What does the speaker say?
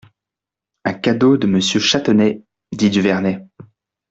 Un cadeau de Monsieur Châtenay, dit Duvernet.